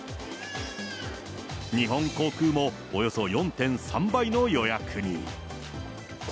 日本航空もおよそ４．３倍の予約に。